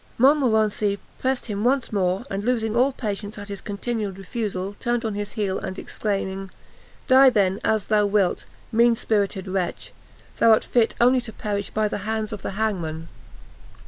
Montmorency pressed him once more; and losing all patience at his continued refusal, turned on his heel, and exclaiming, "Die, then, as thou wilt, mean spirited wretch! thou art fit only to perish by the hands of the hangman!"